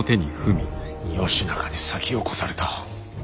義仲に先を越された。